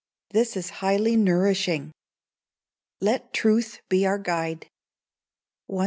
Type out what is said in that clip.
This is highly nourishing. [LET TRUTH BE OUR GUIDE.] 1287.